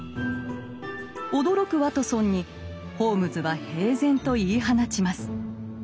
驚くワトソンにホームズは平然と言い放ちます。